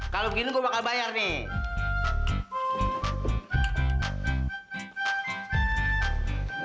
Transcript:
kalau gini gue bakal bayar nih